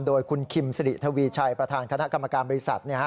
โดยคุณคิมสิริทวีชัยประธานคณะกรรมการบริษัท